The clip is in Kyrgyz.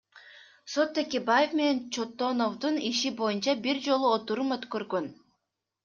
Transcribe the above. Сот Текебаев менен Чотоновдун иши боюнча бир жолу отурум өткөргөн.